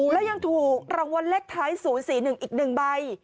แล้วยังถูกรางวัลเลขท้าย๐๔๑อีก๑ใบ